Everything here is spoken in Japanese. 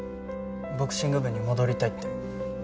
ボクシング部に戻りたいって。